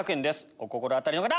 お心当たりの方！